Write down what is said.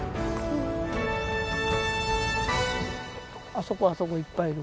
あそこあそこいっぱいいる。